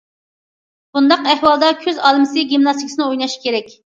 بۇنداق ئەھۋالدا، كۆز ئالمىسى گىمناستىكىسىنى ئويناش كېرەك.